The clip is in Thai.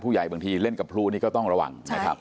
ผู้ใหญ่บางทีเล่นกับผู้นี้ก็ต้องระวังนะครับ